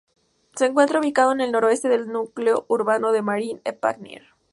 Se encuentra ubicada en el noreste del núcleo urbano de Marin-Epagnier.